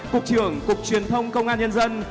cục trưởng cục truyền thông công an nhân dân